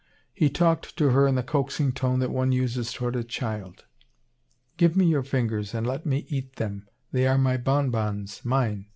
He talked to her in the coaxing tone that one uses toward a child. "Give me your fingers and let me eat them they are my bonbons, mine!"